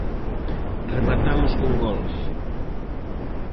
Rematamos con golf.